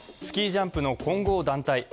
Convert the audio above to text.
スキージャンプの混合団体。